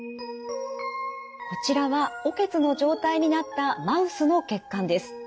こちらは血の状態になったマウスの血管です。